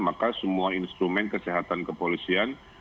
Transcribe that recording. maka semua instrumen kesehatan kepolisian